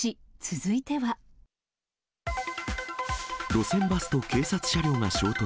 路線バスと警察車両が衝突。